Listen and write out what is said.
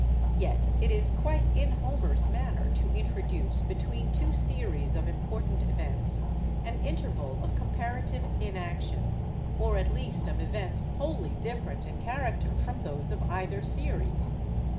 Yet it is quite in Homer's manner to introduce, between two series of important events, an interval of comparative inaction, or at least of events wholly different in character from those of either series.